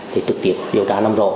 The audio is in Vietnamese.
thì thực tiệp điều tra làm rõ